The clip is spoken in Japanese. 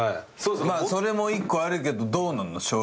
それも１個あるけどどうなの？